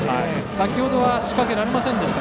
先ほどは仕掛けられませんでした。